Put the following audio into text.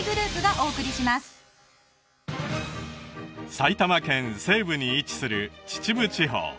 埼玉県西部に位置する秩父地方